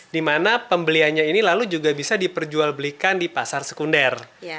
di mana pembeliannya ini lalu juga bisa diperjualbelikan di pasar sekunder